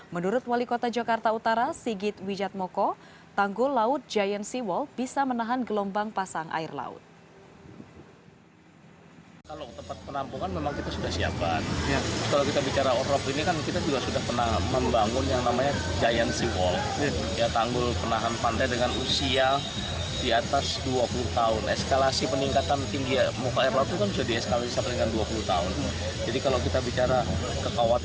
menurut wali korta jakarta utara sigit wijatmoko tanggul laut giant seawall bisa menahan gelombang pasang air laut